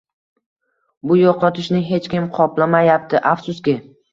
Bu yoʻqotishni hech kim qoplamayapti, afsuski.